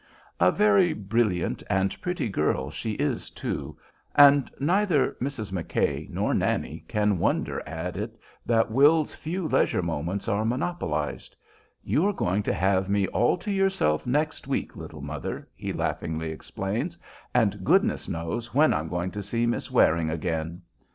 A very brilliant and pretty girl she is, too, and neither Mrs. McKay nor Nannie can wonder at it that Will's few leisure moments are monopolized. "You are going to have me all to yourself next week, little mother," he laughingly explains; "and goodness knows when I'm going to see Miss Waring again."